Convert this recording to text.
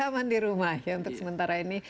aman di rumah ya untuk sementara ini